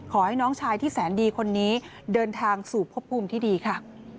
ขอให้น้องชายที่แสนดีคนนี้เดินทางสู่พบภูมิที่ดีค่ะ